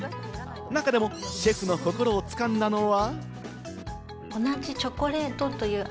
中でもシェフの心を掴んだのは。